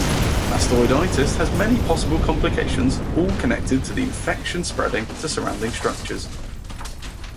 Mastoiditis has many possible complications, all connected to the infection spreading to surrounding structures.